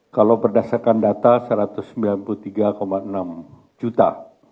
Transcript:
kalau berdasarkan data satu ratus sembilan puluh tiga enam juta